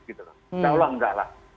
insya allah tidak lah